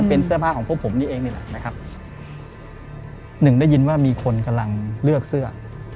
เป็นเสื้อผ้าของพวกผมนี่เองนี่แหละนะครับหนึ่งได้ยินว่ามีคนกำลังเลือกเสื้อ